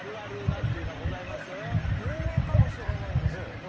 有名かもしれないんですけど。